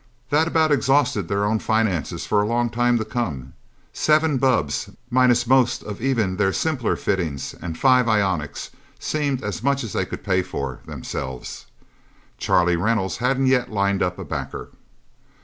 That about exhausted their own finances for a long time to come. Seven bubbs, minus most of even their simpler fittings, and five ionics, seemed as much as they could pay for, themselves. Charlie Reynolds hadn't yet lined up a backer.